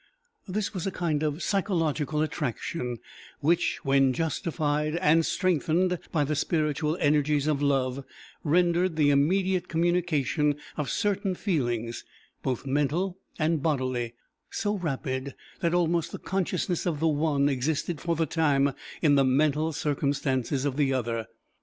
This was a kind of psychological attraction, which, when justified and strengthened by the spiritual energies of love, rendered the immediate communication of certain feelings, both mental and bodily, so rapid, that almost the consciousness of the one existed for the time in the mental circumstances of the other.